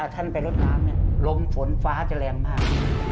ท่านไปลดน้ำลมฝนฟ้าจะแรงมาก